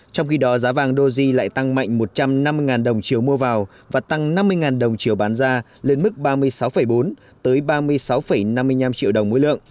trong khi đó giá vàng doji lại tăng mạnh một trăm năm mươi đồng chiều mua vào và tăng năm mươi đồng chiều bán ra lên mức ba mươi sáu bốn ba mươi sáu năm mươi năm triệu đồng mỗi lượng